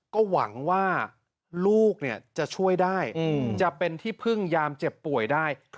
ก็หวังว่าลูกจะช่วยได้จะเป็นที่พึ่งยามเจ็บป่วยได้